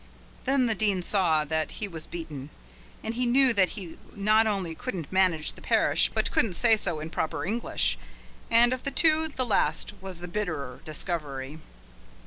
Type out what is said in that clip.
Then the Dean saw that he was beaten, and he knew that he not only couldn't manage the parish but couldn't say so in proper English, and of the two the last was the bitterer discovery.